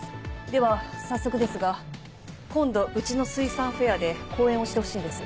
では早速ですが今度うちの水産フェアで講演をしてほしいんです。